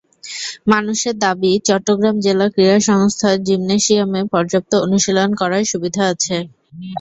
মানসের দাবি, চট্টগ্রাম জেলা ক্রীড়া সংস্থার জিমনেসিয়ামে পর্যাপ্ত অনুশীলন করার সুবিধা আছে।